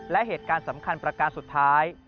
และเหตุการณ์สำคัญประการสุดท้าย